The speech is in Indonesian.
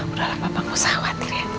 udahlah papa gak usah khawatir ya